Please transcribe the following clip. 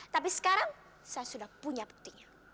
tapi sekarang saya sudah punya buktinya